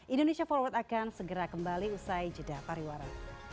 indonesia forward akan segera kembali usai jeda pariwara